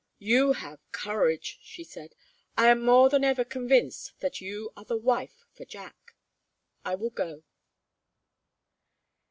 "You have courage," she said. "I am more than ever convinced that you are the wife for Jack. I will go."